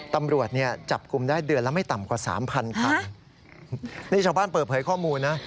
ตำรวจเนี่ยจับกลุ่มได้เดือนละไม่ต่ำกว่าสามพันคันนี่ชาวบ้านเปิดเผยข้อมูลนะ